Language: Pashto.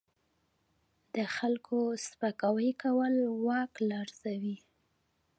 د خلکو سپکاوی کول واک لرزوي.